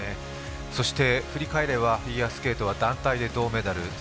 そして、振り返ればフィギュアスケートは団体で銅メダル。